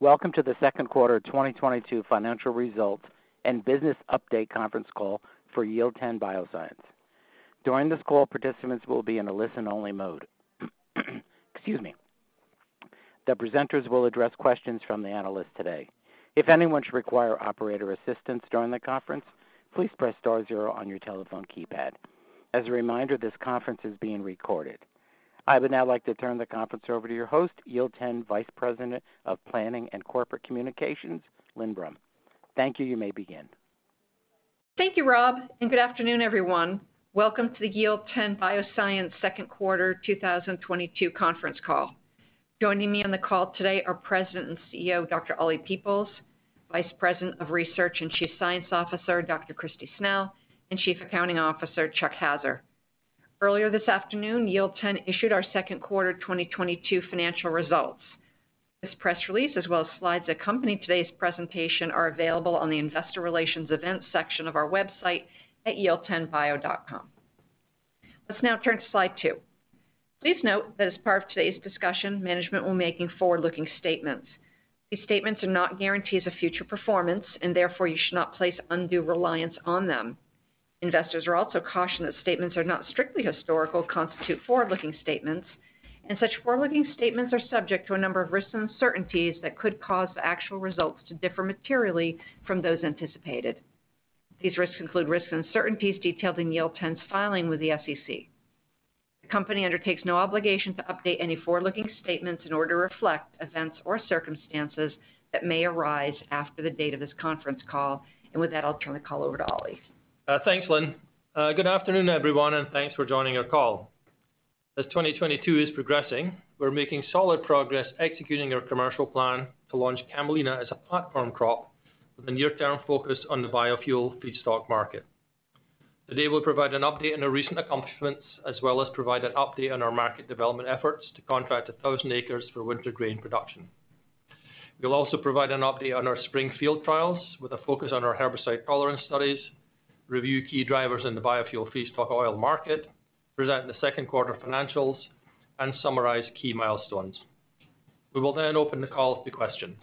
Welcome to the second quarter 2022 financial results and business update conference call for Yield10 Bioscience. During this call, participants will be in a listen-only mode. Excuse me. The presenters will address questions from the analyst today. If anyone should require operator assistance during the conference, please press star zero on your telephone keypad. As a reminder, this conference is being recorded. I would now like to turn the conference over to your host, Yield10 Vice President of Planning and Corporate Communications, Lynne Brum. Thank you. You may begin. Thank you, Rob, and good afternoon, everyone. Welcome to the Yield10 Bioscience second quarter 2022 conference call. Joining me on the call today are President and CEO, Dr. Oliver Peoples, Vice President of Research and Chief Science Officer, Dr. Kristi Snell, and Chief Accounting Officer, Chuck Haaser. Earlier this afternoon, Yield10 issued our second quarter 2022 financial results. This press release as well as slides accompanying today's presentation are available on the investor relations events section of our website at yield10bio.com. Let's now turn to slide two. Please note that as part of today's discussion, management will be making forward-looking statements. These statements are not guarantees of future performance, and therefore you should not place undue reliance on them. Investors are also cautioned that statements are not strictly historical, constitute forward-looking statements, and such forward-looking statements are subject to a number of risks and uncertainties that could cause the actual results to differ materially from those anticipated. These risks include risks and uncertainties detailed in Yield10's filing with the SEC. The company undertakes no obligation to update any forward-looking statements in order to reflect events or circumstances that may arise after the date of this conference call. With that, I'll turn the call over to Ollie. Thanks, Lynne. Good afternoon, everyone, and thanks for joining our call. As 2022 is progressing, we're making solid progress executing our commercial plan to launch Camelina as a platform crop with a near-term focus on the biofuel feedstock market. Today, we'll provide an update on the recent accomplishments as well as provide an update on our market development efforts to contract 1,000 acres for winter grain production. We'll also provide an update on our spring field trials with a focus on our herbicide tolerance studies, review key drivers in the biofuel feedstock oil market, present the second quarter financials, and summarize key milestones. We will then open the call up to questions.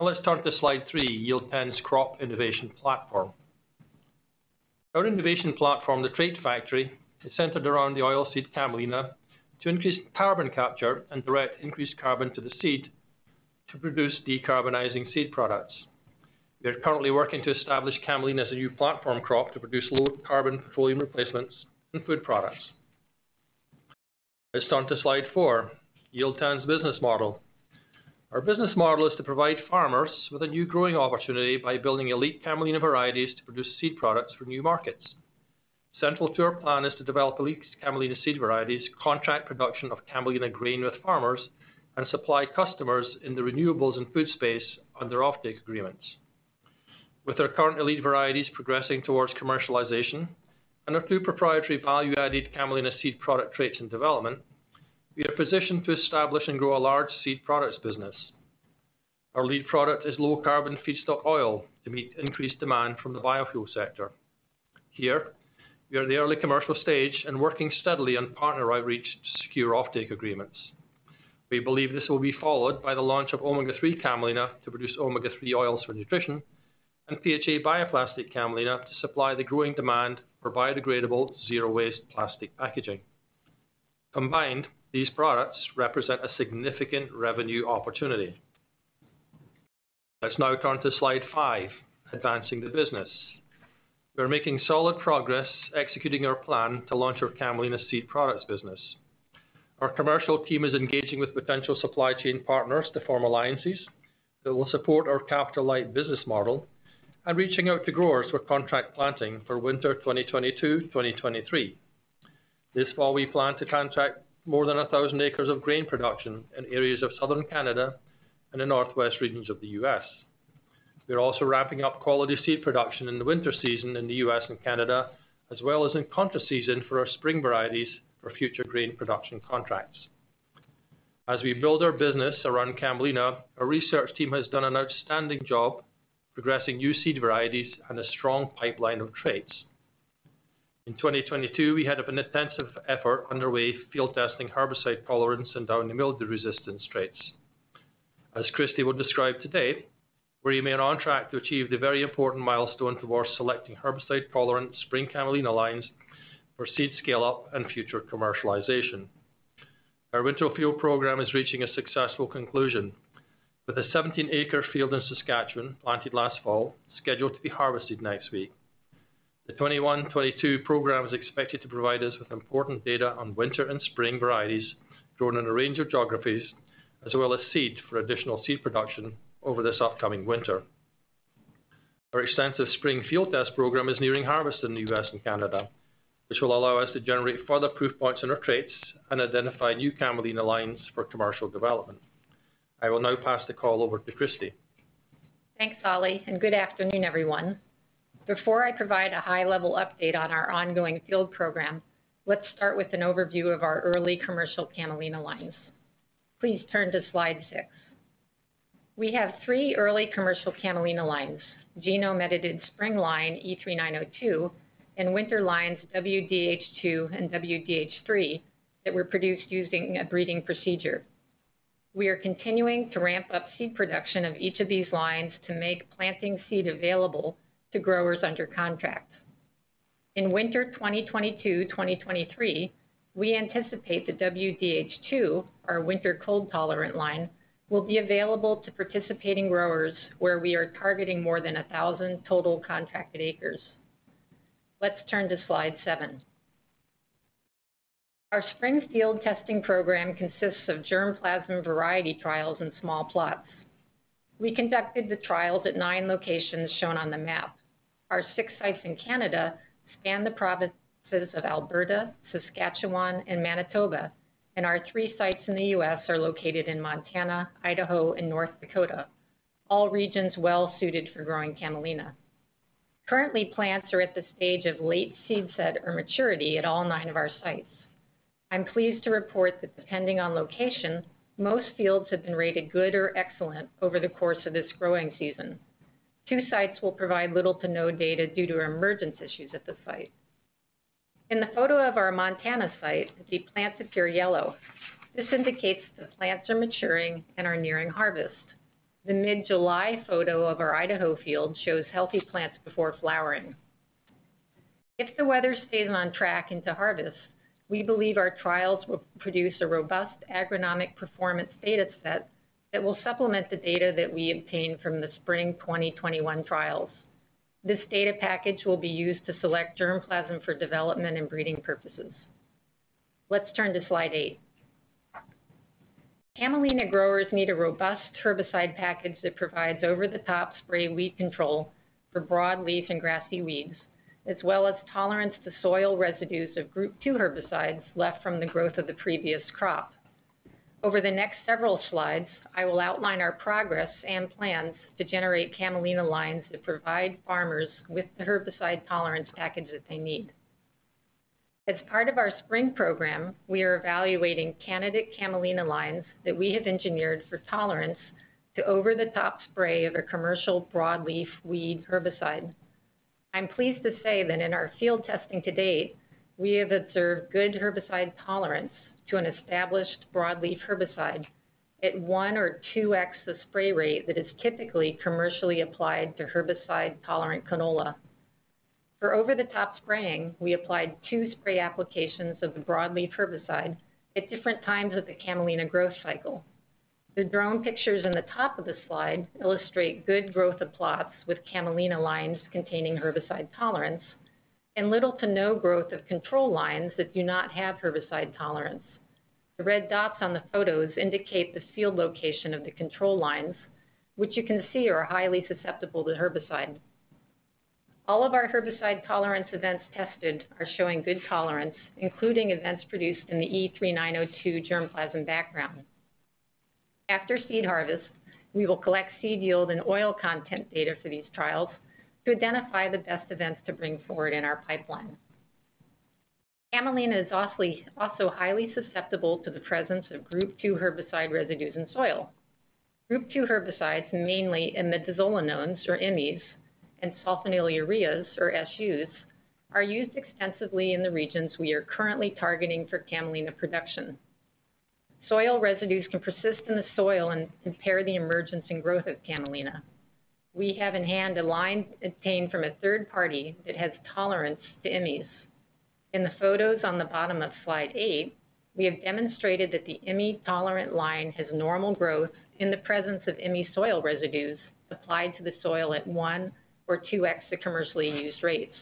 Now let's turn to slide three, Yield10's crop innovation platform. Our innovation platform, The Trait Factory, is centered around the oilseed Camelina to increase carbon capture and direct increased carbon to the seed to produce decarbonizing seed products. We are currently working to establish Camelina as a new platform crop to produce low-carbon petroleum replacements and food products. Let's turn to slide four, Yield10's business model. Our business model is to provide farmers with a new growing opportunity by building elite Camelina varieties to produce seed products for new markets. Central to our plan is to develop elite Camelina seed varieties, contract production of Camelina grain with farmers, and supply customers in the renewables and food space under offtake agreements. With our current elite varieties progressing towards commercialization and our two proprietary value-added Camelina seed product traits in development, we are positioned to establish and grow a large seed products business. Our lead product is low-carbon feedstock oil to meet increased demand from the biofuel sector. Here, we are in the early commercial stage and working steadily on partner outreach to secure offtake agreements. We believe this will be followed by the launch of omega-3 Camelina to produce omega-3 oils for nutrition and PHA bioplastic Camelina to supply the growing demand for biodegradable zero-waste plastic packaging. Combined, these products represent a significant revenue opportunity. Let's now turn to slide five, advancing the business. We're making solid progress executing our plan to launch our Camelina seed products business. Our commercial team is engaging with potential supply chain partners to form alliances that will support our capital-light business model and reaching out to growers with contract planting for winter 2022-2023. This fall, we plan to contract more than 1,000 acres of grain production in areas of southern Canada and the northwest regions of the U.S. We are also wrapping up quality seed production in the winter season in the U.S. and Canada, as well as in contra-season for our spring varieties for future grain production contracts. As we build our business around Camelina, our research team has done an outstanding job progressing new seed varieties and a strong pipeline of traits. In 2022, we had an intensive effort underway for field testing herbicide tolerance and downy mildew resistance traits. As Kristi will describe today, we remain on track to achieve the very important milestone towards selecting herbicide tolerant spring Camelina lines for seed scale-up and future commercialization. Our winter fuel program is reaching a successful conclusion with a 17-acre field in Saskatchewan planted last fall, scheduled to be harvested next week. The 2021-2022 program is expected to provide us with important data on winter and spring varieties grown in a range of geographies, as well as seed for additional seed production over this upcoming winter. Our extensive spring field test program is nearing harvest in the U.S. and Canada, which will allow us to generate further proof points in our traits and identify new Camelina lines for commercial development. I will now pass the call over to Kristi. Thanks, Ollie, and good afternoon, everyone. Before I provide a high-level update on our ongoing field program, let's start with an overview of our early commercial Camelina lines. Please turn to slide six. We have three early commercial Camelina lines, genome-edited spring line E3902 and winter lines WDH2 and WDH3. That were produced using a breeding procedure. We are continuing to ramp up seed production of each of these lines to make planting seed available to growers under contract. In winter 2022-2023, we anticipate that WDH2, our winter cold-tolerant line, will be available to participating growers where we are targeting more than 1,000 total contracted acres. Let's turn to slide seven. Our spring field testing program consists of germplasm variety trials in small plots. We conducted the trials at nine locations shown on the map. Our six sites in Canada span the provinces of Alberta, Saskatchewan, and Manitoba, and our three sites in the U.S. are located in Montana, Idaho, and North Dakota, all regions well-suited for growing Camelina. Currently, plants are at the stage of late seed set or maturity at all nine of our sites. I'm pleased to report that depending on location, most fields have been rated good or excellent over the course of this growing season. Two sites will provide little to no data due to emergence issues at the site. In the photo of our Montana site, the plants appear yellow. This indicates that the plants are maturing and are nearing harvest. The mid-July photo of our Idaho field shows healthy plants before flowering. If the weather stays on track into harvest, we believe our trials will produce a robust agronomic performance data set that will supplement the data that we obtained from the spring 2021 trials. This data package will be used to select germplasm for development and breeding purposes. Let's turn to slide eight. Camelina growers need a robust herbicide package that provides over-the-top spray weed control for broadleaf and grassy weeds, as well as tolerance to soil residues of Group 2 herbicides left from the growth of the previous crop. Over the next several slides, I will outline our progress and plans to generate Camelina lines that provide farmers with the herbicide tolerance package that they need. As part of our spring program, we are evaluating candidate Camelina lines that we have engineered for tolerance to over-the-top spray of a commercial broadleaf weed herbicide. I'm pleased to say that in our field testing to date, we have observed good herbicide tolerance to an established broadleaf herbicide at 1x or 2x the spray rate that is typically commercially applied to herbicide-tolerant canola. For over-the-top spraying, we applied two spray applications of the broadleaf herbicide at different times of the Camelina growth cycle. The drone pictures in the top of the slide illustrate good growth of plots with Camelina lines containing herbicide tolerance and little to no growth of control lines that do not have herbicide tolerance. The red dots on the photos indicate the field location of the control lines, which you can see are highly susceptible to herbicide. All of our herbicide tolerance events tested are showing good tolerance, including events produced in the E3902 germplasm background. After seed harvest, we will collect seed yield and oil content data for these trials to identify the best events to bring forward in our pipeline. Camelina is also highly susceptible to the presence of Group 2 herbicide residues in soil. Group 2 herbicides, mainly imidazolinones, or IMIs, and sulfonylureas, or SUs, are used extensively in the regions we are currently targeting for Camelina production. Soil residues can persist in the soil and impair the emergence and growth of Camelina. We have in hand a line obtained from a third party that has tolerance to IMIs. In the photos on the bottom of slide eight, we have demonstrated that the IMI-tolerant line has normal growth in the presence of IMI soil residues applied to the soil at 1x or 2x the commercially used rates.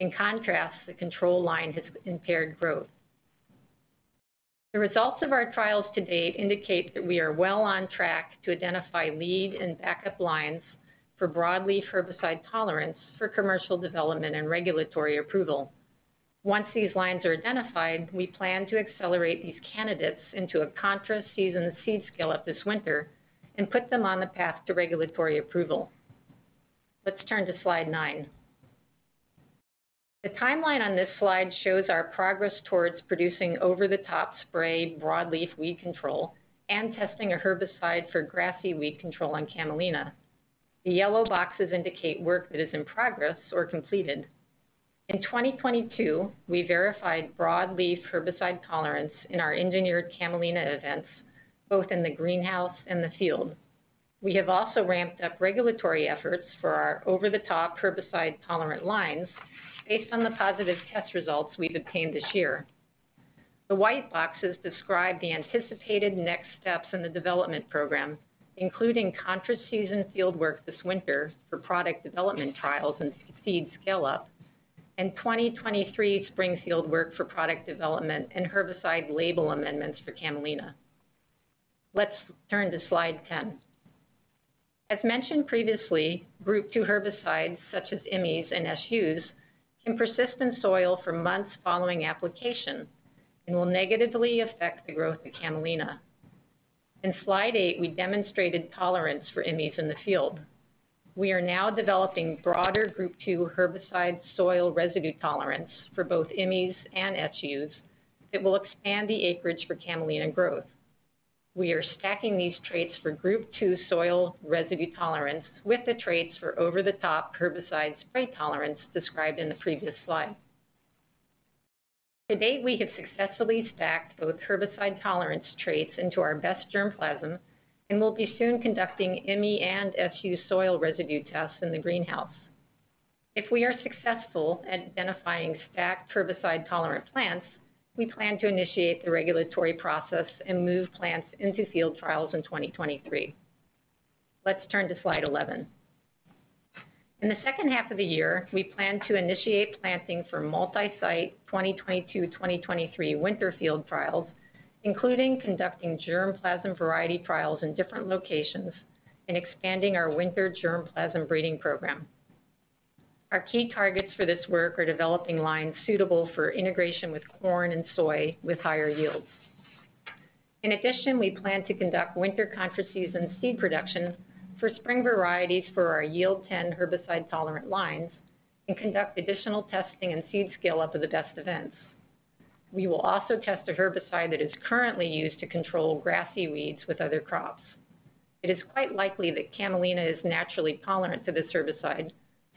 In contrast, the control line has impaired growth. The results of our trials to date indicate that we are well on track to identify lead and backup lines for broadleaf herbicide tolerance for commercial development and regulatory approval. Once these lines are identified, we plan to accelerate these candidates into a contra-season seed scaleup this winter and put them on the path to regulatory approval. Let's turn to slide nine. The timeline on this slide shows our progress towards producing over-the-top spray broadleaf weed control and testing a herbicide for grassy weed control on Camelina. The yellow boxes indicate work that is in progress or completed. In 2022, we verified broadleaf herbicide tolerance in our engineered Camelina events, both in the greenhouse and the field. We have also ramped up regulatory efforts for our over-the-top herbicide-tolerant lines based on the positive test results we've obtained this year. The white boxes describe the anticipated next steps in the development program, including contra-season field work this winter for product development trials and seed scale up, and 2023 spring field work for product development and herbicide label amendments for Camelina. Let's turn to slide 10. As mentioned previously, Group 2 herbicides such as IMIs and SUs can persist in soil for months following application and will negatively affect the growth of Camelina. In slide eight, we demonstrated tolerance for IMIs in the field. We are now developing broader Group 2 herbicide soil residue tolerance for both IMIs and SUs that will expand the acreage for Camelina growth. We are stacking these traits for Group 2 soil residue tolerance with the traits for over-the-top herbicide spray tolerance described in the previous slide. To date, we have successfully stacked both herbicide tolerance traits into our best germplasm, and we'll be soon conducting IMI and SU soil residue tests in the greenhouse. If we are successful at identifying stacked herbicide-tolerant plants, we plan to initiate the regulatory process and move plants into field trials in 2023. Let's turn to slide 11. In the second half of the year, we plan to initiate planting for multi-site 2022, 2023 winter field trials, including conducting germplasm variety trials in different locations and expanding our winter germplasm breeding program. Our key targets for this work are developing lines suitable for integration with corn and soy with higher yields. In addition, we plan to conduct winter contra-season seed production for spring varieties for our Yield10 herbicide-tolerant lines and conduct additional testing and seed scale-up of the best events. We will also test a herbicide that is currently used to control grassy weeds with other crops. It is quite likely that Camelina is naturally tolerant to this herbicide,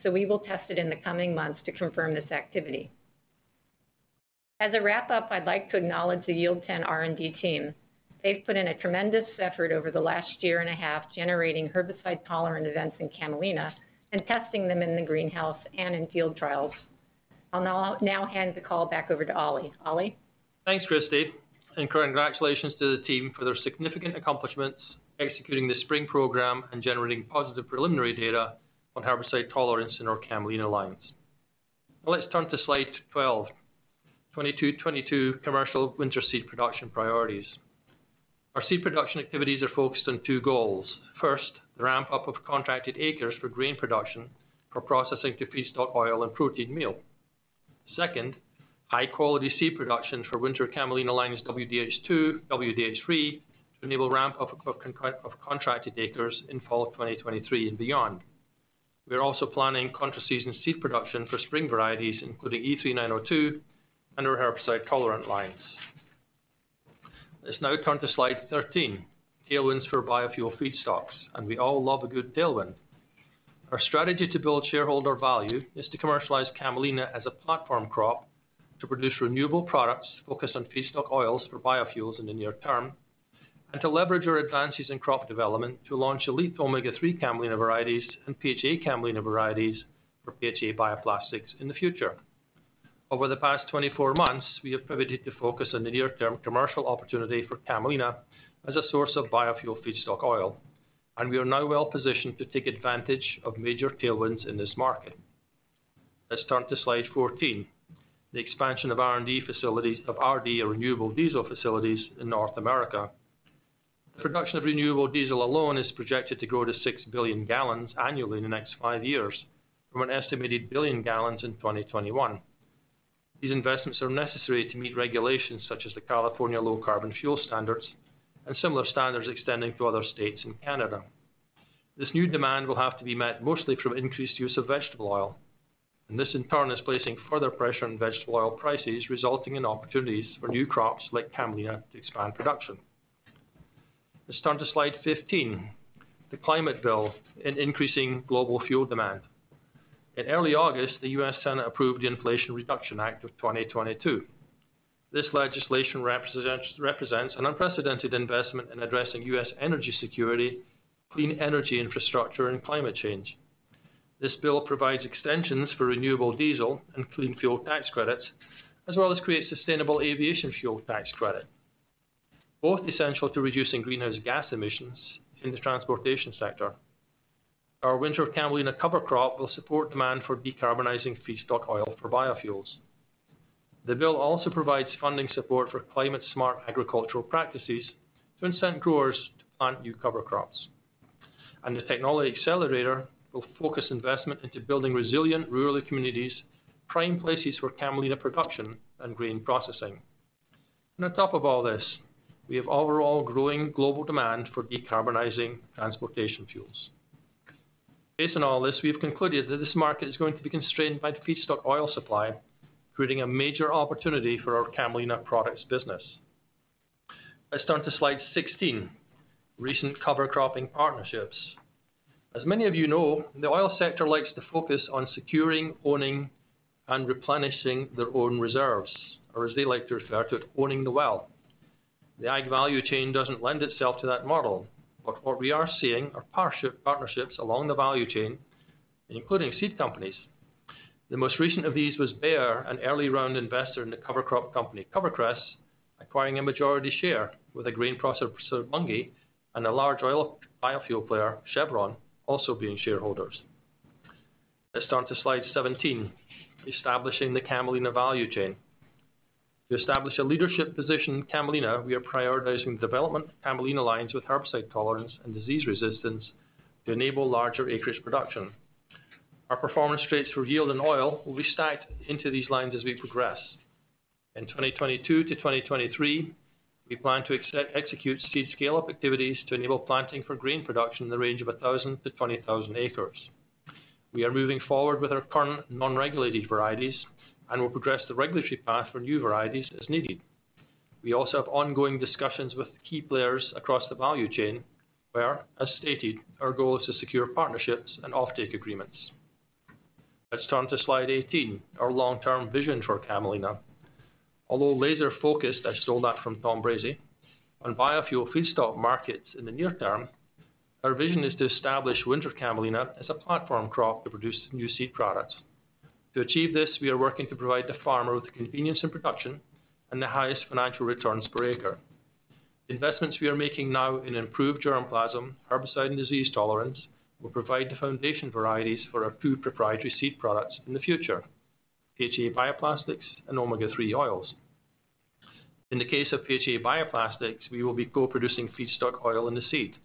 so we will test it in the coming months to confirm this activity. As a wrap-up, I'd like to acknowledge the Yield10 R&D team. They've put in a tremendous effort over the last year and a half, generating herbicide-tolerant events in Camelina and testing them in the greenhouse and in field trials. I'll now hand the call back over to Ollie. Ollie? Thanks, Kristi, and congratulations to the team for their significant accomplishments executing the spring program and generating positive preliminary data on herbicide tolerance in our camelina lines. Now let's turn to slide 12, 2022 commercial winter seed production priorities. Our seed production activities are focused on two goals. First, the ramp-up of contracted acres for grain production for processing to feedstock oil and protein meal. Second, high-quality seed production for winter camelina lines WDH2, WDH3 to enable ramp-up of contracted acres in fall of 2023 and beyond. We are also planning contra-season seed production for spring varieties, including E3902 and our herbicide-tolerant lines. Let's now turn to slide 13, tailwinds for biofuel feedstocks, and we all love a good tailwind. Our strategy to build shareholder value is to commercialize Camelina as a platform crop to produce renewable products focused on feedstock oils for biofuels in the near term, and to leverage our advances in crop development to launch elite omega-3 Camelina varieties and PHA Camelina varieties for PHA bioplastics in the future. Over the past 24 months, we have pivoted to focus on the near-term commercial opportunity for Camelina as a source of biofuel feedstock oil, and we are now well-positioned to take advantage of major tailwinds in this market. Let's turn to slide 14, the expansion of RD, or renewable diesel facilities in North America. The production of renewable diesel alone is projected to grow to 6 billion gallons annually in the next five years from an estimated billion gallons in 2021. These investments are necessary to meet regulations such as the California Low Carbon Fuel Standard and similar standards extending to other states and Canada. This new demand will have to be met mostly through increased use of vegetable oil, and this in turn is placing further pressure on vegetable oil prices, resulting in opportunities for new crops like Camelina to expand production. Let's turn to slide 15, the climate bill and increasing global fuel demand. In early August, the U.S. Senate approved the Inflation Reduction Act of 2022. This legislation represents an unprecedented investment in addressing U.S. energy security, clean energy infrastructure, and climate change. This bill provides extensions for renewable diesel and clean fuel tax credits, as well as creates sustainable aviation fuel tax credit, both essential to reducing greenhouse gas emissions in the transportation sector. Our winter Camelina cover crop will support demand for decarbonizing feedstock oil for biofuels. The bill also provides funding support for climate-smart agricultural practices to incent growers to plant new cover crops. The technology accelerator will focus investment into building resilient rural communities, prime places for Camelina production and grain processing. On top of all this, we have overall growing global demand for decarbonizing transportation fuels. Based on all this, we have concluded that this market is going to be constrained by the feedstock oil supply, creating a major opportunity for our Camelina products business. Let's turn to slide 16, recent cover cropping partnerships. As many of you know, the oil sector likes to focus on securing, owning, and replenishing their own reserves, or as they like to refer to it, owning the well. The ag value chain doesn't lend itself to that model, but what we are seeing are partnerships along the value chain, including seed companies. The most recent of these was Bayer, an early-round investor in the cover crop company CoverCress, acquiring a majority share with a grain processor Bunge and a large oil biofuel player, Chevron, also being shareholders. Let's turn to slide 17, establishing the Camelina value chain. To establish a leadership position in Camelina, we are prioritizing the development of Camelina lines with herbicide tolerance and disease resistance to enable larger acreage production. Our performance traits for yield and oil will be stacked into these lines as we progress. In 2022 to 2023, we plan to execute seed scale-up activities to enable planting for grain production in the range of 1,000 to 20,000 acres. We are moving forward with our current non-regulated varieties and will progress the regulatory path for new varieties as needed. We also have ongoing discussions with key players across the value chain, where, as stated, our goal is to secure partnerships and offtake agreements. Let's turn to slide 18, our long-term vision for Camelina. Although laser-focused, I stole that from Tom Brady, on biofuel feedstock markets in the near term, our vision is to establish winter Camelina as a platform crop to produce new seed products. To achieve this, we are working to provide the farmer with the convenience in production and the highest financial returns per acre. Investments we are making now in improved germplasm, herbicide, and disease tolerance will provide the foundation varieties for our future proprietary seed products in the future, PHA bioplastics, and omega-3 oils. In the case of PHA bioplastics, we will be co-producing feedstock oil in the seed.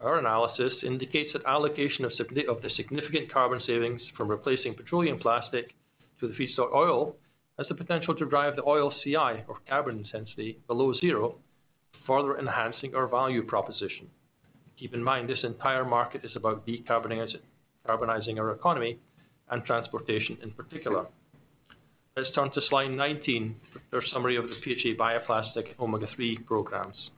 Our analysis indicates that allocation of the significant carbon savings from replacing petroleum plastic to the feedstock oil has the potential to drive the oil CI, or carbon intensity, below zero, further enhancing our value proposition. Keep in mind, this entire market is about decarbonizing our economy and transportation in particular. Let's turn to slide 19 for a summary of the PHA bioplastic omega-3 programs.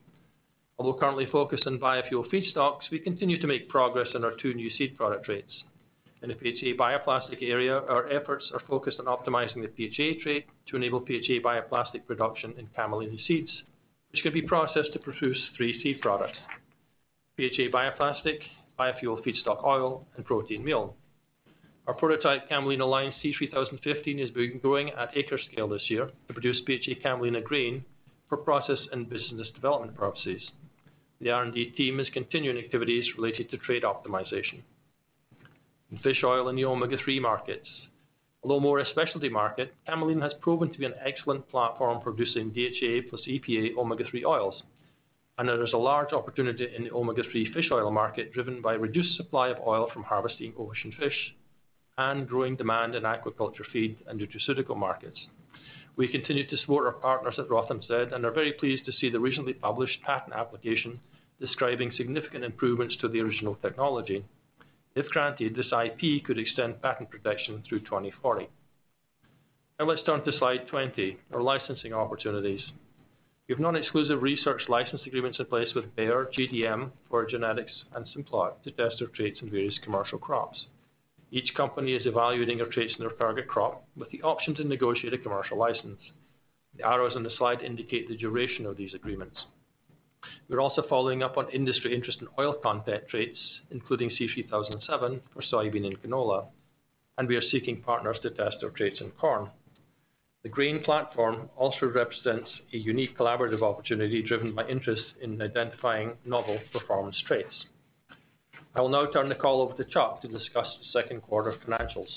Although currently focused on biofuel feedstocks, we continue to make progress in our two new seed product traits. In the PHA bioplastic area, our efforts are focused on optimizing the PHA trait to enable PHA bioplastic production in Camelina seeds, which could be processed to produce three seed products: PHA bioplastic, biofuel feedstock oil, and protein meal. Our prototype, Camelina Line C3015, is being grown at acre scale this year to produce PHA Camelina grain for process and business development purposes. The R&D team is continuing activities related to trait optimization. In fish oil and the omega-3 markets, although more a specialty market, Camelina has proven to be an excellent platform for producing DHA plus EPA omega-3 oils. There is a large opportunity in the omega-3 fish oil market, driven by reduced supply of oil from harvesting ocean fish and growing demand in aquaculture feed and nutraceutical markets. We continue to support our partners at Rothamsted and are very pleased to see the recently published patent application describing significant improvements to the original technology. If granted, this IP could extend patent protection through 2040. Now let's turn to slide 20, our licensing opportunities. We have non-exclusive research license agreements in place with Bayer, GDM, Forage Genetics, and Simplot to test our traits in various commercial crops. Each company is evaluating our traits in their target crop with the option to negotiate a commercial license. The arrows on the slide indicate the duration of these agreements. We're also following up on industry interest in oil content traits, including C3007 for soybean and canola, and we are seeking partners to test our traits in corn. The grain platform also represents a unique collaborative opportunity driven by interest in identifying novel performance traits. I will now turn the call over to Chuck to discuss the second quarter financials.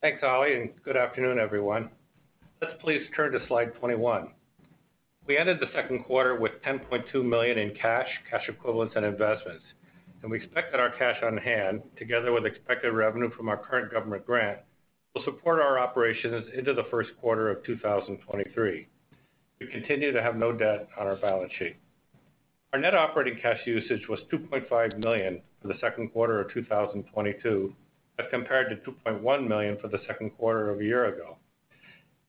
Thanks, Ollie, and good afternoon, everyone. Let's please turn to slide 21. We ended the second quarter with $10.2 million in cash equivalents, and investments, and we expect that our cash on hand, together with expected revenue from our current government grant, will support our operations into the first quarter of 2023. We continue to have no debt on our balance sheet. Our net operating cash usage was $2.5 million for the second quarter of 2022 as compared to $2.1 million for the second quarter of a year ago.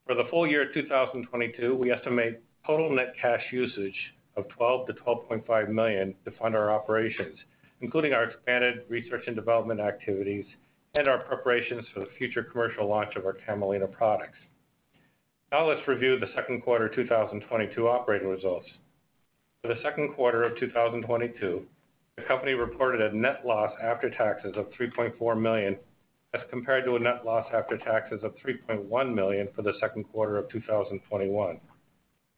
For the full year 2022, we estimate total net cash usage of $12-$12.5 million to fund our operations, including our expanded research and development activities and our preparations for the future commercial launch of our Camelina products. Now let's review the second quarter 2022 operating results. For the second quarter of 2022, the company reported a net loss after taxes of $3.4 million, as compared to a net loss after taxes of $3.1 million for the second quarter of 2021.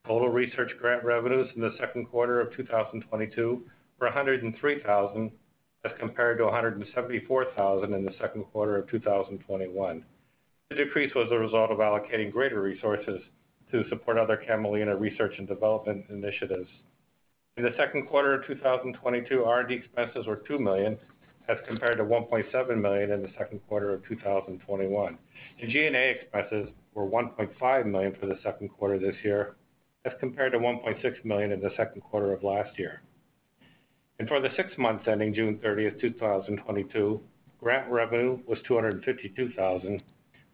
Total research grant revenues in the second quarter of 2022 were $103 thousand, as compared to $174 thousand in the second quarter of 2021. The decrease was a result of allocating greater resources to support other Camelina research and development initiatives. In the second quarter of 2022, R&D expenses were $2 million as compared to $1.7 million in the second quarter of 2021. The G&A expenses were $1.5 million for the second quarter this year as compared to $1.6 million in the second quarter of last year. For the six months ending June 30, 2022, grant revenue was $252,000,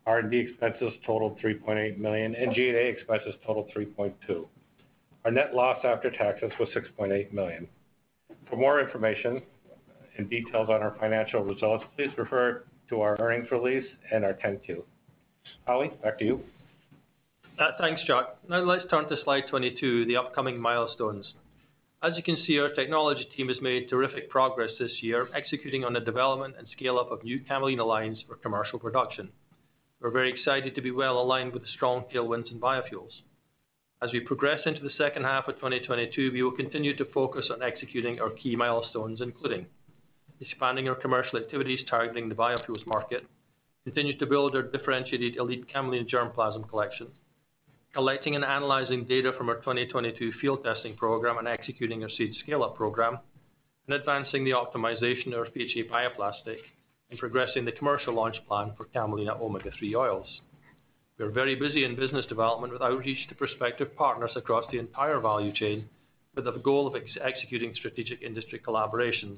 R&D expenses totaled $3.8 million, and G&A expenses totaled $3.2 million. Our net loss after taxes was $6.8 million. For more information and details on our financial results, please refer to our earnings release and our 10-Q. Ollie, back to you. Thanks, Chuck. Now let's turn to slide 22, the upcoming milestones. As you can see, our technology team has made terrific progress this year executing on the development and scale-up of new Camelina lines for commercial production. We're very excited to be well-aligned with the strong tailwinds in biofuels. As we progress into the second half of 2022, we will continue to focus on executing our key milestones, including expanding our commercial activities targeting the biofuels market, continue to build our differentiated elite Camelina germplasm collection, collecting and analyzing data from our 2022 field testing program and executing our seed scale-up program, and advancing the optimization of our PHA bioplastic and progressing the commercial launch plan for Camelina omega-3 oils. We are very busy in business development with outreach to prospective partners across the entire value chain with the goal of executing strategic industry collaborations.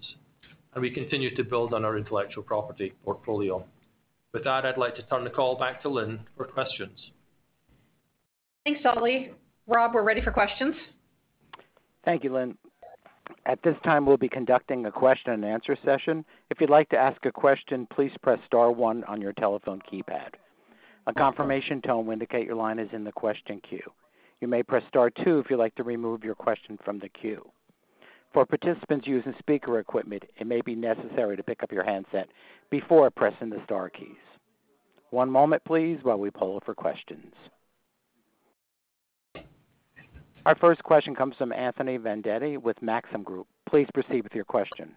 We continue to build on our intellectual property portfolio. With that, I'd like to turn the call back to Lynne for questions. Thanks, Ollie. Rob, we're ready for questions. Thank you, Lynne. At this time, we'll be conducting a question and answer session. If you'd like to ask a question, please press star one on your telephone keypad. A confirmation tone will indicate your line is in the question queue. You may press star two if you'd like to remove your question from the queue. For participants using speaker equipment, it may be necessary to pick up your handset before pressing the star keys. One moment please, while we poll for questions. Our first question comes from Anthony Vendetti with Maxim Group. Please proceed with your question.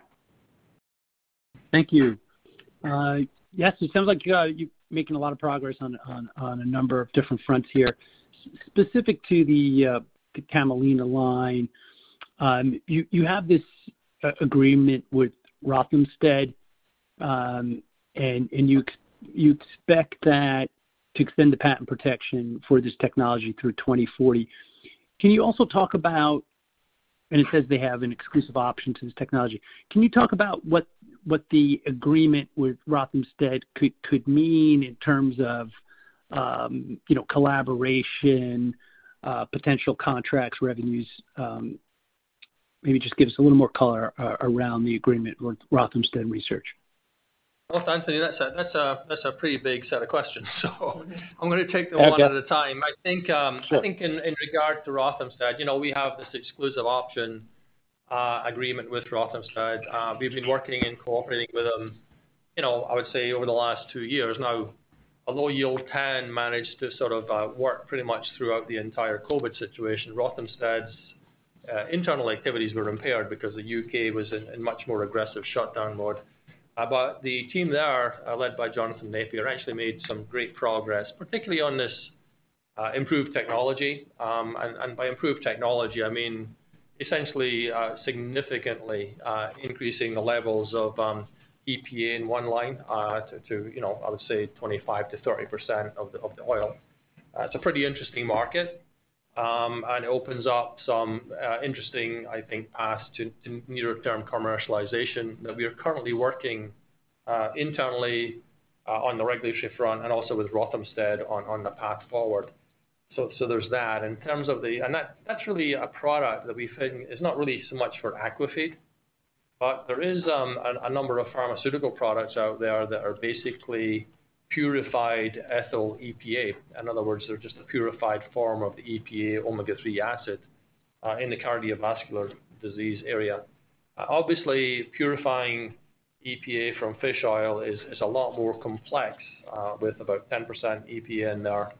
Thank you. Yes, it sounds like you're making a lot of progress on a number of different fronts here. Specific to the Camelina line, you have this agreement with Rothamsted, and you expect that to extend the patent protection for this technology through 2040. It says they have an exclusive option to this technology. Can you talk about what the agreement with Rothamsted could mean in terms of, you know, collaboration, potential contracts, revenues? Maybe just give us a little more color around the agreement with Rothamsted Research. Well, Anthony, that's a pretty big set of questions. I'm gonna take them one at a time. Sure. I think in regard to Rothamsted, you know, we have this exclusive option agreement with Rothamsted. We've been working and cooperating with them, you know, I would say over the last two years now. Although Yield10 managed to sort of work pretty much throughout the entire COVID situation, Rothamsted's internal activities were impaired because the U.K. was in much more aggressive shutdown mode. The team there led by Jonathan Napier actually made some great progress, particularly on this improved technology. By improved technology, I mean essentially significantly increasing the levels of EPA in one line to, you know, I would say 25%-30% of the oil. It's a pretty interesting market and opens up some interesting, I think, paths to near-term commercialization that we are currently working internally on the regulatory front and also with Rothamsted on the path forward. There's that. In terms of the. That's really a product that we think is not really so much for aquafeed, but there is a number of pharmaceutical products out there that are basically purified ethyl EPA. In other words, they're just a purified form of the EPA omega-3 acid in the cardiovascular disease area. Obviously, purifying EPA from fish oil is a lot more complex with about 10% EPA in there,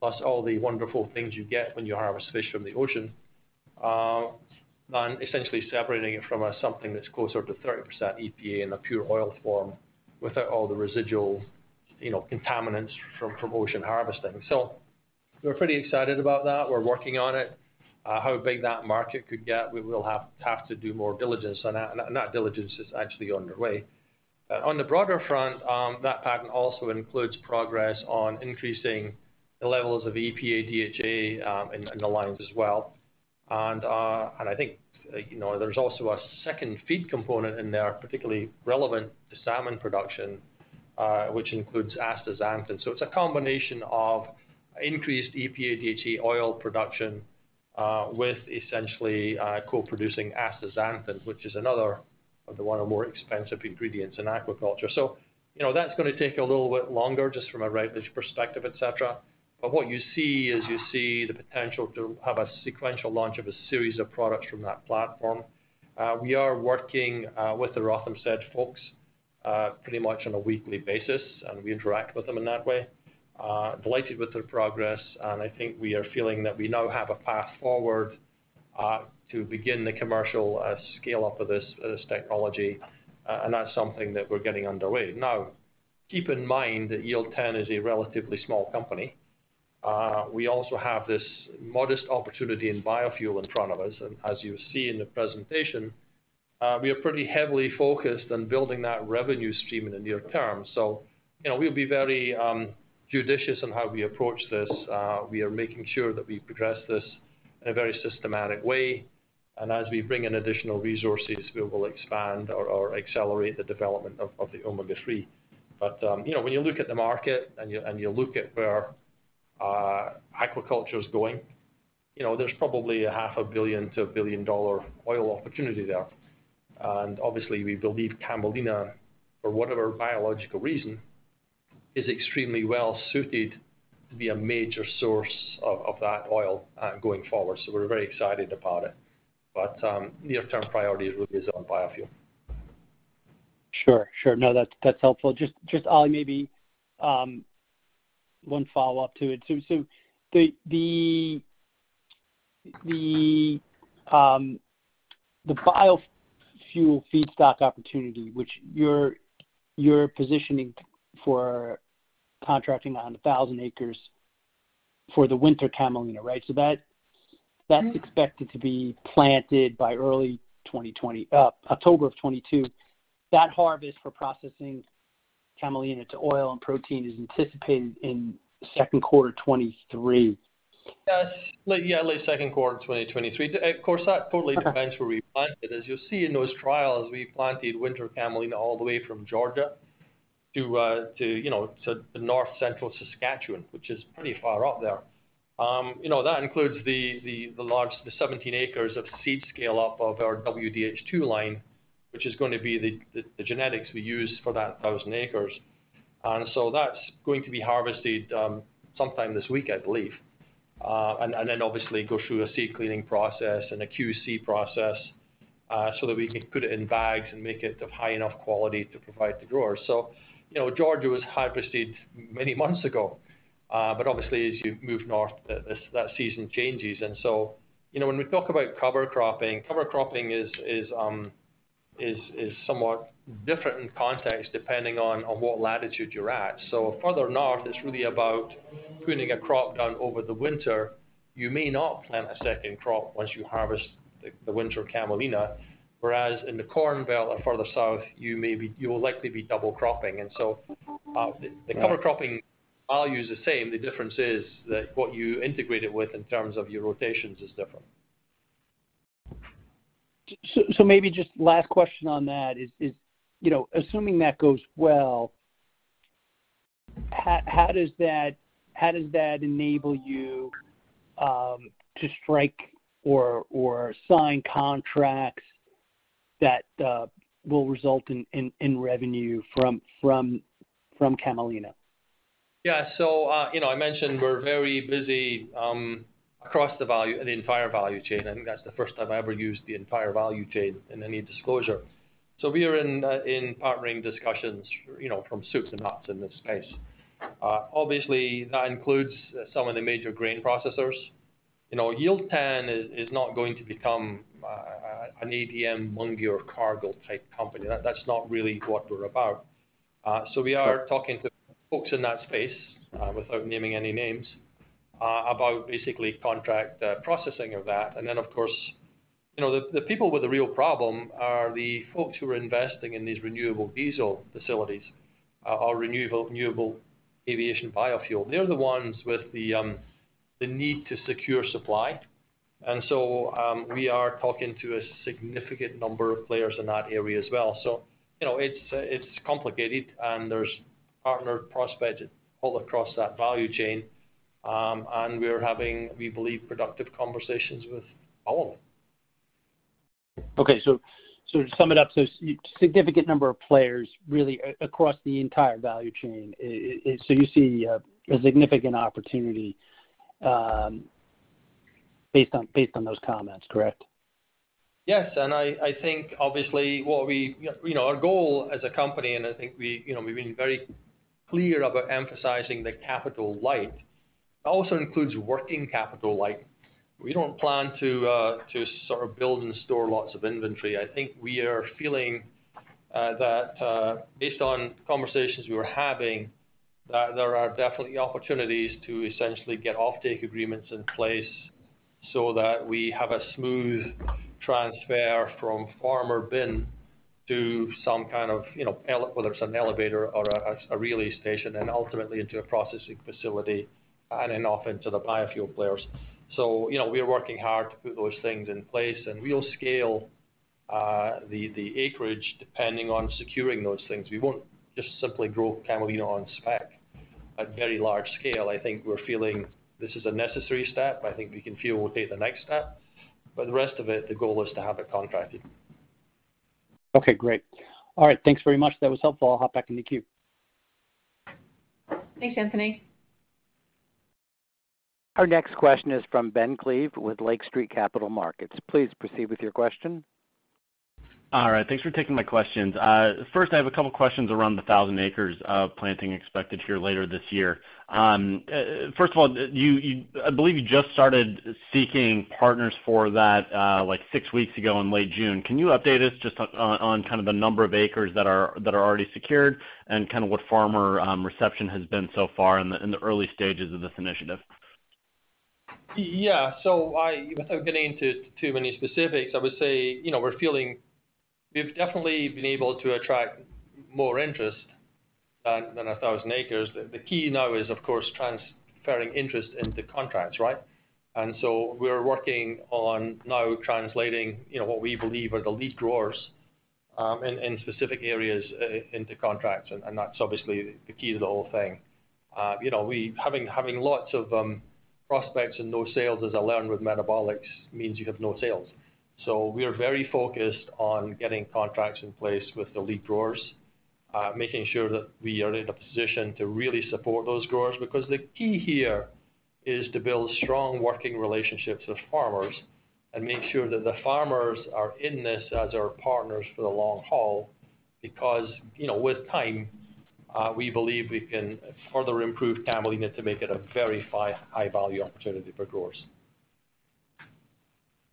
plus all the wonderful things you get when you harvest fish from the ocean. Essentially separating it from something that's closer to 30% EPA in a pure oil form without all the residual, you know, contaminants from ocean harvesting. We're pretty excited about that. We're working on it. How big that market could get, we will have to do more diligence on that, and that diligence is actually underway. On the broader front, that patent also includes progress on increasing the levels of EPA, DHA, in the lines as well. I think, you know, there's also a second feed component in there, particularly relevant to salmon production, which includes astaxanthin. It's a combination of increased EPA, DHA oil production, with essentially co-producing astaxanthin, which is another of the one of the more expensive ingredients in aquaculture. You know, that's gonna take a little bit longer just from a regulatory perspective, et cetera. But what you see is you see the potential to have a sequential launch of a series of products from that platform. We are working with the Rothamsted folks pretty much on a weekly basis, and we interact with them in that way. Delighted with their progress, and I think we are feeling that we now have a path forward to begin the commercial scale-up of this technology, and that's something that we're getting underway. Now, keep in mind that Yield10 is a relatively small company. We also have this modest opportunity in biofuel in front of us. As you see in the presentation, we are pretty heavily focused on building that revenue stream in the near term. You know, we'll be very judicious in how we approach this. We are making sure that we progress this in a very systematic way. As we bring in additional resources, we will expand or accelerate the development of the omega-3. You know, when you look at the market and you look at where aquaculture is going, you know, there's probably a $500 billion-$1 billion Oil opportunity there. Obviously, we believe Camelina, for whatever biological reason, is extremely well suited to be a major source of that oil going forward. We're very excited about it. Near-term priority really is on biofuel. Sure. No, that's helpful. Just Ollie, maybe one follow-up to it. The biofuel feedstock opportunity, which you're positioning for contracting on 1,000 acres for the winter Camelina, right? That's expected to be planted by early October of 2022. That harvest for processing Camelina to oil and protein is anticipated in second quarter 2023. Yes. Late second quarter 2023. Of course, that totally depends where we plant it. As you'll see in those trials, we planted winter Camelina all the way from Georgia to, you know, to the north-central Saskatchewan, which is pretty far up there. That includes the 17 acres of seed scale-up of our WDH2 line, which is gonna be the genetics we use for that 1,000 acres. That's going to be harvested sometime this week, I believe. Then obviously go through a seed cleaning process and a QC process, so that we can put it in bags and make it of high enough quality to provide to growers. You know, Georgia was harvested many months ago. But obviously as you move north, that season changes. You know, when we talk about cover cropping, cover cropping is somewhat different in context depending on what latitude you're at. Further north, it's really about putting a crop down over the winter. You may not plant a second crop once you harvest the winter Camelina, whereas in the Corn Belt or further south, you'll likely be double cropping. The cover cropping value is the same. The difference is that what you integrate it with in terms of your rotations is different. Maybe just last question on that is, you know, assuming that goes well, how does that enable you to strike or sign contracts that will result in revenue from Camelina? Yeah, you know, I mentioned we're very busy across the entire value chain. I think that's the first time I ever used the entire value chain in any disclosure. We are in partnering discussions, you know, from soup to nuts in this case. Obviously that includes some of the major grain processors. You know, Yield10 is not going to become an ADM, Bunge, or Cargill type company. That's not really what we're about. We are talking to folks in that space without naming any names about basically contract processing of that. Of course, you know, the people with the real problem are the folks who are investing in these renewable diesel facilities or renewable aviation biofuel. They're the ones with the need to secure supply. We are talking to a significant number of players in that area as well. You know, it's complicated, and there's partner prospects all across that value chain. We're having, we believe, productive conversations with all of them. To sum it up, a significant number of players really across the entire value chain. You see a significant opportunity based on those comments, correct? Yes. I think obviously what we. You know, our goal as a company, and I think we, you know, we've been very clear about emphasizing the capital light. That also includes working capital light. We don't plan to sort of build and store lots of inventory. I think we are feeling that based on conversations we were having, that there are definitely opportunities to essentially get offtake agreements in place so that we have a smooth transfer from farmer bin to some kind of, you know, whether it's an elevator or a relay station, and ultimately into a processing facility, and then off into the biofuel players. You know, we are working hard to put those things in place, and we'll scale the acreage depending on securing those things. We won't just simply grow Camelina on spec at very large scale. I think we're feeling this is a necessary step. I think we can fuel, okay, the next step. The rest of it, the goal is to have it contracted. Okay, great. All right. Thanks very much. That was helpful. I'll hop back in the queue. Thanks, Anthony. Our next question is from Ben Klieve with Lake Street Capital Markets. Please proceed with your question. All right. Thanks for taking my questions. First I have a couple questions around the 1,000 acres of planting expected here later this year. First of all, I believe you just started seeking partners for that, like six weeks ago in late June. Can you update us just on kind of the number of acres that are already secured and kind of what farmer reception has been so far in the early stages of this initiative? Yeah. Without getting into too many specifics, I would say, you know, we're feeling we've definitely been able to attract more interest than 1,000 acres. The key now is of course transferring interest into contracts, right? We're working on now translating, you know, what we believe are the lead growers in specific areas into contracts, and that's obviously the key to the whole thing. You know, having lots of prospects and no sales, as I learned with Metabolix, means you have no sales. We are very focused on getting contracts in place with the lead growers, making sure that we are in a position to really support those growers. The key here is to build strong working relationships with farmers and make sure that the farmers are in this as our partners for the long haul. You know, we believe we can further improve Camelina to make it a very high value opportunity for growers.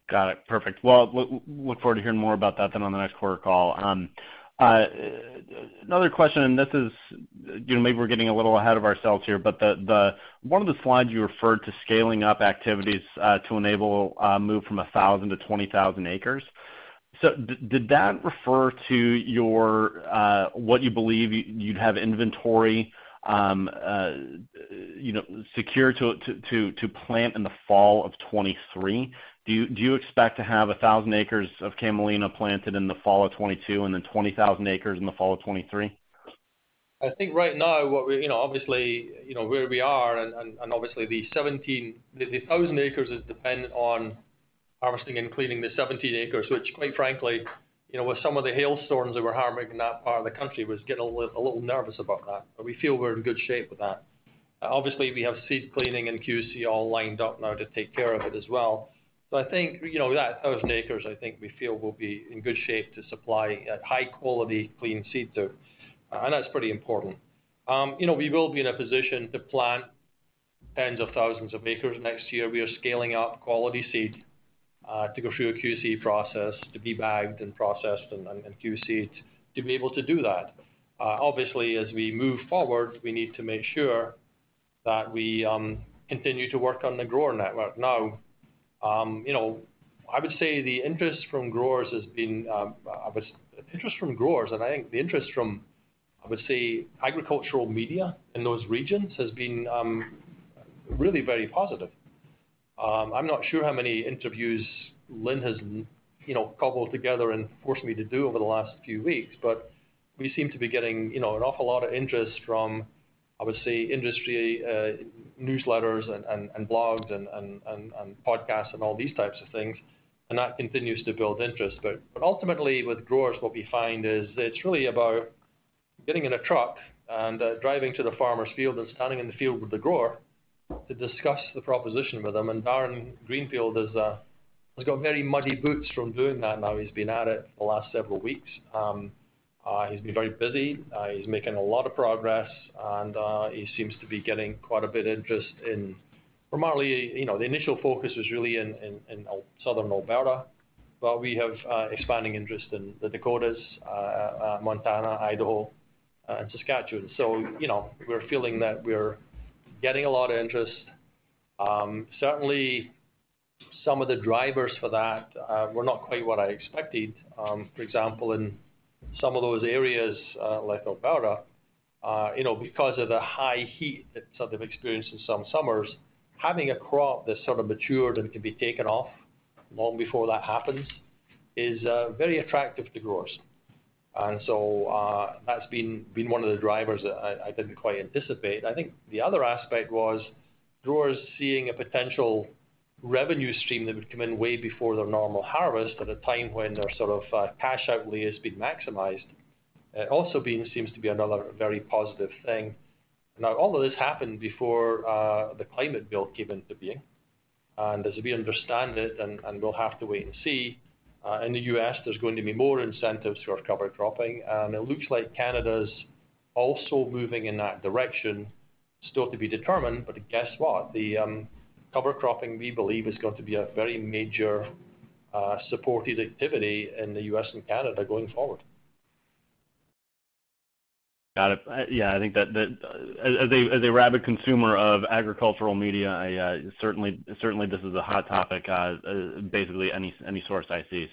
Got it. Perfect. Well, look forward to hearing more about that then on the next quarter call. Another question, and this is, you know, maybe we're getting a little ahead of ourselves here, but one of the slides you referred to scaling up activities to enable move from 1,000 to 20,000 acres. Did that refer to your what you believe you'd have inventory, you know, secure to plant in the fall of 2023? Do you expect to have 1,000 acres of Camelina planted in the fall of 2022 and then 20,000 acres in the fall of 2023? I think right now what we, you know, obviously, you know where we are and obviously the 17,000 acres is dependent on harvesting and cleaning the 17,000 acres, which quite frankly, you know, with some of the hail storms that we're having in that part of the country, was getting a little nervous about that. We feel we're in good shape with that. Obviously, we have seed cleaning and QC all lined up now to take care of it as well. I think, you know, that 1,000 acres, I think we feel will be in good shape to supply high quality clean seed to. That's pretty important. You know, we will be in a position to plant tens of thousands of acres next year. We are scaling up quality seed to go through a QC process, to be bagged and processed and QC-ed to be able to do that. Obviously, as we move forward, we need to make sure that we continue to work on the grower network. Now, you know, I would say the interest from growers has been, and I think the interest from, I would say, agricultural media in those regions has been really very positive. I'm not sure how many interviews Lynne has, you know, cobbled together and forced me to do over the last few weeks, but we seem to be getting, you know, an awful lot of interest from, I would say, industry, newsletters and podcasts and all these types of things, and that continues to build interest. Ultimately, with growers, what we find is it's really about getting in a truck and driving to the farmer's field and standing in the field with the grower to discuss the proposition with them. Darren Greenfield has got very muddy boots from doing that now. He's been at it for the last several weeks. He's been very busy. He's making a lot of progress and he seems to be getting quite a bit of interest primarily, you know, the initial focus was really in Southern Alberta, but we have expanding interest in the Dakotas, Montana, Idaho, and Saskatchewan. You know, we're feeling that we're getting a lot of interest. Certainly some of the drivers for that were not quite what I expected. For example, in some of those areas, like Alberta, you know, because of the high heat that's experienced in some summers, having a crop that's sort of matured and can be taken off long before that happens is very attractive to growers. That's been one of the drivers that I didn't quite anticipate. I think the other aspect was growers seeing a potential revenue stream that would come in way before their normal harvest at a time when their sort of cash outlay has been maximized, also seems to be another very positive thing. Now all of this happened before the climate bill came into being. As we understand it, and we'll have to wait and see in the U.S., there's going to be more incentives for cover cropping. It looks like Canada's also moving in that direction, still to be determined. Guess what? The cover cropping, we believe, is going to be a very major supported activity in the U.S. and Canada going forward. Got it. Yeah, I think that as a rabid consumer of agricultural media, I certainly this is a hot topic, basically any source I see.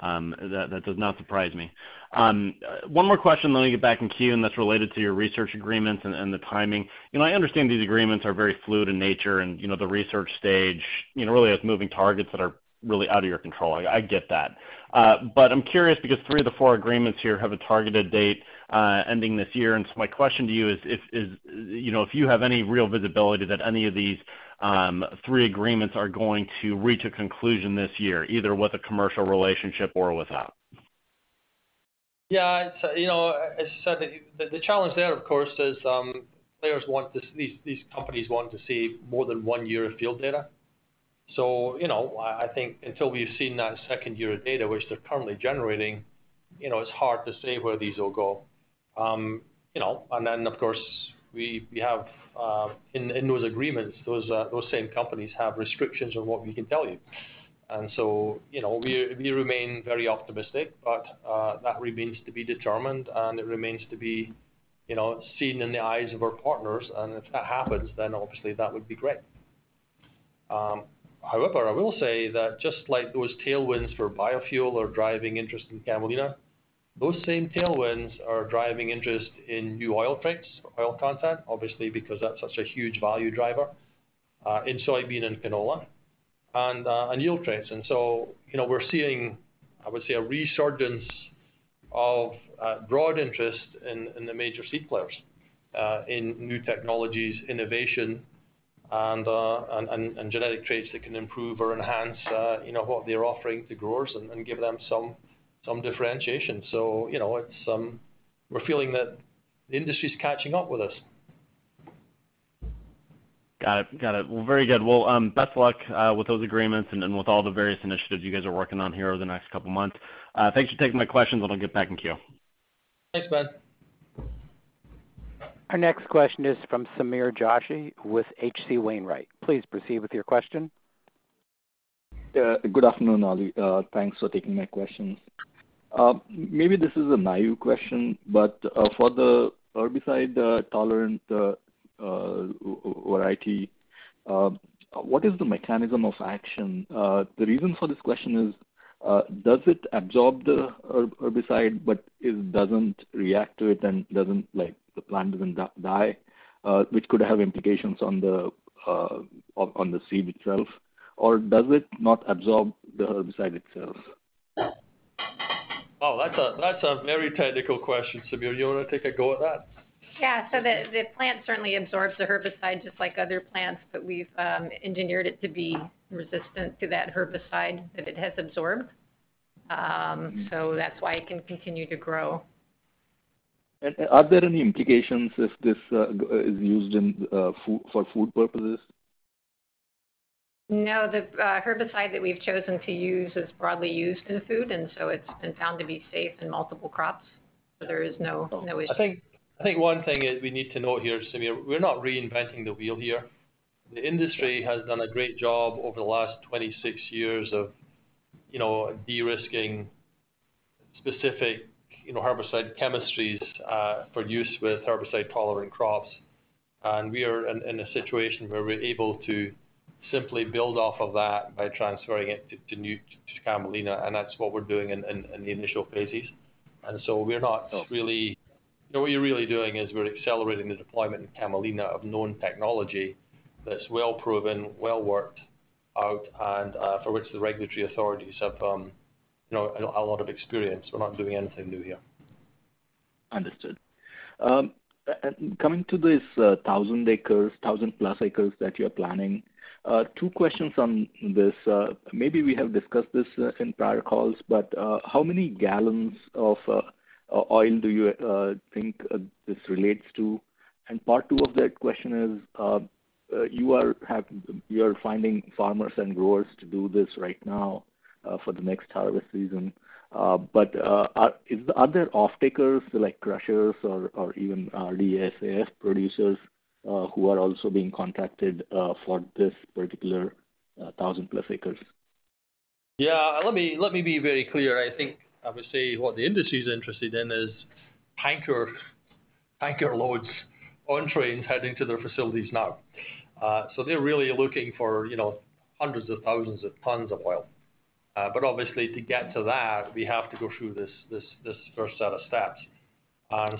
That does not surprise me. One more question then I'll get back in queue, and that's related to your research agreements and the timing. You know, I understand these agreements are very fluid in nature and, you know, the research stage, you know, really has moving targets that are really out of your control. I get that. I'm curious because three of the four agreements here have a targeted date ending this year. My question to you is if you know if you have any real visibility that any of these three agreements are going to reach a conclusion this year, either with a commercial relationship or without. Yeah. It's, you know, as I said, the challenge there, of course, is these companies want to see more than one year of field data. You know, I think until we've seen that second year of data, which they're currently generating, you know, it's hard to say where these will go. You know, and then, of course, we have in those agreements, those same companies have restrictions on what we can tell you. You know, we remain very optimistic, but that remains to be determined and it remains to be, you know, seen in the eyes of our partners. If that happens, then obviously that would be great. However, I will say that just like those tailwinds for biofuel are driving interest in Camelina, those same tailwinds are driving interest in new oil traits or oil content, obviously, because that's such a huge value driver in soybean and canola and in yield traits. You know, we're seeing, I would say, a resurgence of broad interest in the major seed players in new technologies, innovation and genetic traits that can improve or enhance, you know, what they're offering to growers and give them some differentiation. You know, it's. We're feeling that the industry's catching up with us. Got it. Well, very good. Well, best of luck with those agreements and then with all the various initiatives you guys are working on here over the next couple of months. Thanks for taking my questions, and I'll get back in queue. Thanks, Ben. Our next question is from Sameer Joshi with H.C. Wainwright. Please proceed with your question. Yeah, good afternoon, Ollie. Thanks for taking my questions. Maybe this is a naive question, but for the herbicide tolerant variety, what is the mechanism of action? The reason for this question is, does it absorb the herbicide, but it doesn't react to it and the plant doesn't die, which could have implications on the seed itself? Or does it not absorb the herbicide itself? Oh, that's a very technical question, Sameer. You wanna take a go at that? Yeah. The plant certainly absorbs the herbicide just like other plants, but we've engineered it to be resistant to that herbicide that it has absorbed. Mm-hmm. that's why it can continue to grow. Are there any implications if this is used in for food purposes? No. The herbicide that we've chosen to use is broadly used in food, and so it's been found to be safe in multiple crops, so there is no issue. I think one thing is we need to note here, Sameer, we're not reinventing the wheel here. The industry has done a great job over the last 26 years of, you know, de-risking specific, you know, herbicide chemistries for use with herbicide-tolerant crops. We are in a situation where we're able to simply build off of that by transferring it to new Camelina, and that's what we're doing in the initial phases. We're not really. What we're really doing is we're accelerating the deployment in Camelina of known technology that's well proven, well worked out, and for which the regulatory authorities have, you know, a lot of experience. We're not doing anything new here. Understood. Coming to this, 1,000 acres, 1,000-plus acres that you're planning, two questions on this. Maybe we have discussed this in prior calls, but how many gallons of oil do you think this relates to? And part two of that question is, you are finding farmers and growers to do this right now for the next harvest season. Is the other offtakers like crushers or even SAF producers who are also being contracted for this particular 1,000-plus acres? Yeah. Let me be very clear. I think I would say what the industry's interested in is tanker loads on trains heading to their facilities now. So they're really looking for, you know, hundreds of thousands of tons of oil. But obviously to get to that, we have to go through this first set of steps.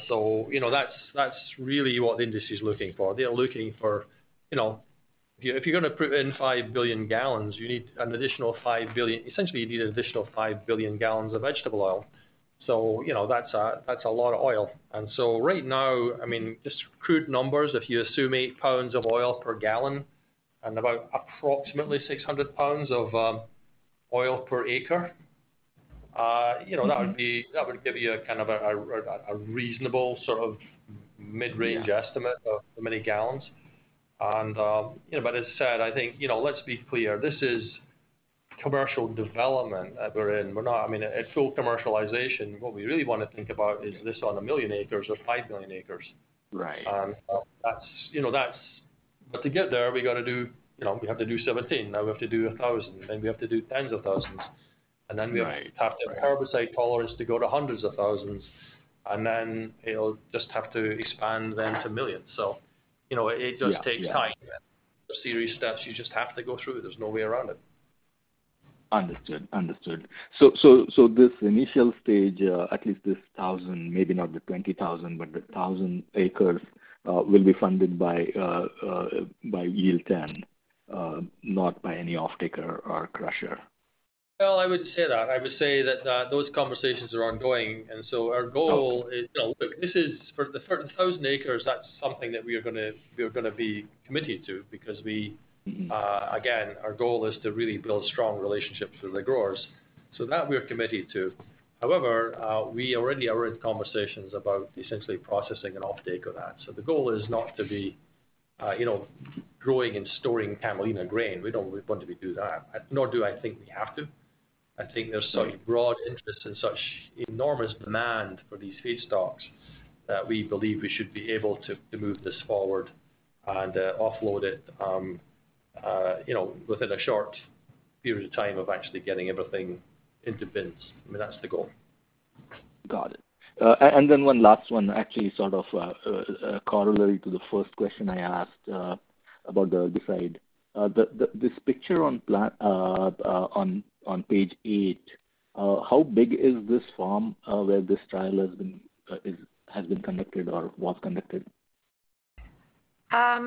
You know, that's really what the industry's looking for. They're looking for, you know. If you're gonna put in 5 billion gallons, you need an additional 5 billion, essentially, you need an additional 5 billion gallons of vegetable oil. You know, that's a lot of oil. Right now, I mean, just crude numbers, if you assume 8 pounds of oil per gallon and about approximately 600 pounds of oil per acre, you know. Mm-hmm. That would give you a kind of a reasonable sort of mid-range. Yeah. estimate of how many gallons. You know, but as I said, I think, you know, let's be clear. This is commercial development that we're in. I mean, at full commercialization, what we really wanna think about is this on 1 million acres or 5 million acres. Right. That's, you know. To get there, we gotta do, you know, we have to do 17, now we have to do 1,000, then we have to do tens of thousands, and then we have to. Right. To have the herbicide tolerance to go to hundreds of thousands. Then it'll just have to expand then to millions. You know, it just takes time. Yeah. Yeah. A series of steps you just have to go through. There's no way around it. Understood. This initial stage, at least this 1,000, maybe not the 20,000, but the 1,000 acres, will be funded by Yield10, not by any offtaker or crusher? Well, I wouldn't say that. I would say that those conversations are ongoing, and our goal is. You know, look, this is for the 1,000 acres, that's something that we are gonna be committed to because we again, our goal is to really build strong relationships with the growers. That we are committed to. However, we already are in conversations about essentially processing an offtake of that. The goal is not to be, you know, growing and storing Camelina grain. We don't want to be doing that, nor do I think we have to. I think there's such broad interest and such enormous demand for these feedstocks that we believe we should be able to move this forward and offload it, you know, within a short period of time of actually getting everything into bins. I mean, that's the goal. Got it. Then one last one, actually sort of, corollary to the first question I asked about the herbicide. This picture on page eight, how big is this farm where this trial has been conducted or was conducted? I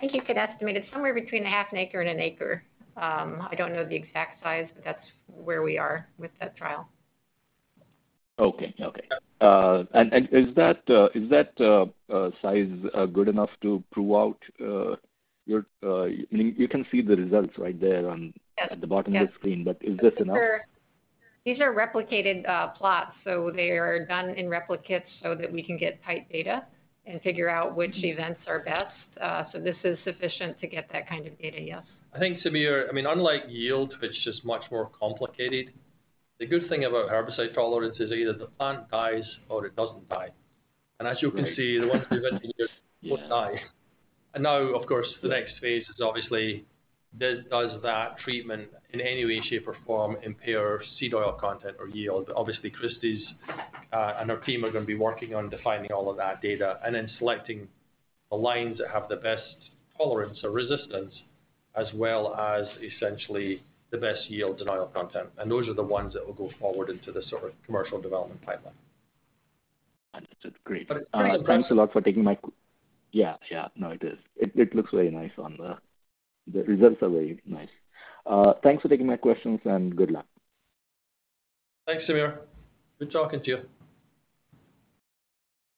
think you could estimate it's somewhere between a half an acre and an acre. I don't know the exact size, but that's where we are with that trial. Okay. Is that size good enough to prove out? I mean, you can see the results right there on. Yes. At the bottom of the screen. Yes. Is this enough? These are replicated plots. They are done in replicates so that we can get tight data and figure out which events are best. This is sufficient to get that kind of data, yes. I think, Sameer, I mean, unlike yield, which is much more complicated, the good thing about herbicide tolerance is either the plant dies or it doesn't die. As you can see, the ones we went in here would die. Now, of course, the next phase is obviously does that treatment in any way, shape, or form impair seed oil content or yield? Obviously, Kristi's and her team are gonna be working on defining all of that data and then selecting the lines that have the best tolerance or resistance, as well as essentially the best yields in oil content. Those are the ones that will go forward into the sort of commercial development pipeline. Understood. Great. It's pretty impressive. Yeah, yeah. No, it is. It looks very nice. The results are very nice. Thanks for taking my questions, and good luck. Thanks, Sameer. Good talking to you.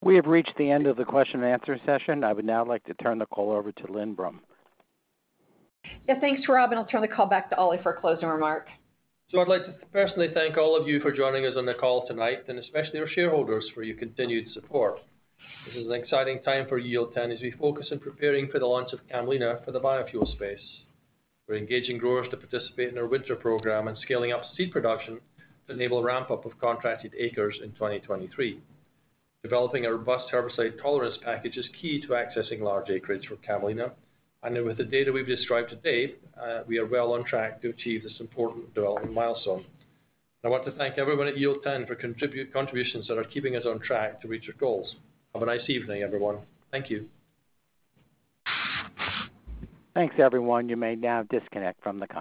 We have reached the end of the question-and-answer session. I would now like to turn the call over to Lynne Brum. Yeah. Thanks, Rob, and I'll turn the call back to Ollie for a closing remark. I'd like to personally thank all of you for joining us on the call tonight, and especially our shareholders for your continued support. This is an exciting time for Yield10 as we focus on preparing for the launch of Camelina for the biofuel space. We're engaging growers to participate in our winter program and scaling up seed production to enable ramp-up of contracted acres in 2023. Developing a robust herbicide tolerance package is key to accessing large acreage for Camelina. With the data we've described today, we are well on track to achieve this important development milestone. I want to thank everyone at Yield10 for contributions that are keeping us on track to reach our goals. Have a nice evening, everyone. Thank you. Thanks, everyone. You may now disconnect from the conference.